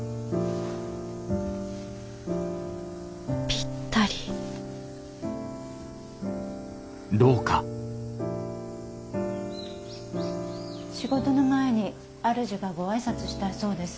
ぴったり仕事の前に主がご挨拶したいそうです。